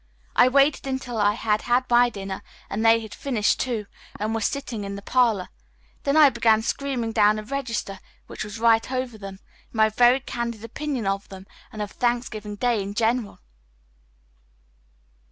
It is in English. I waited until I had had my dinner and they had finished, too, and were sitting in the parlor. Then I began screaming down a register, which was right over them, my very candid opinion of them and of Thanksgiving Day in general.